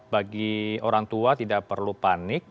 bagi orang tua tidak perlu panik